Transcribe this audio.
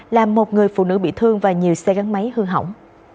làm một người phụ nữ bị thương và nhiều xe gắn máy hư hỏng